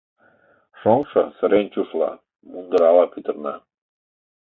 Шоҥшо сырен чушла, мундырала пӱтырна.